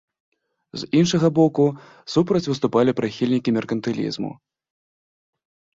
З іншага боку, супраць выступалі прыхільнікі меркантылізму.